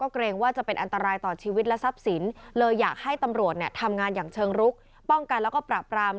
การทำงานอย่างเชิงรุกป้องกันแล้วก็ปราบปราม